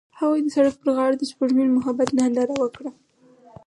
هغوی د سړک پر غاړه د سپوږمیز محبت ننداره وکړه.